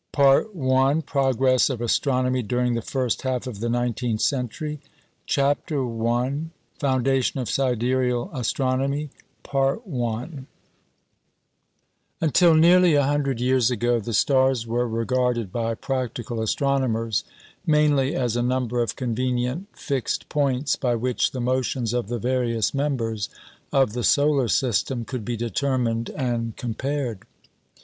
] PART I PROGRESS OF ASTRONOMY DURING THE FIRST HALF OF THE NINETEENTH CENTURY CHAPTER I FOUNDATION OF SIDEREAL ASTRONOMY Until nearly a hundred years ago the stars were regarded by practical astronomers mainly as a number of convenient fixed points by which the motions of the various members of the solar system could be determined and compared.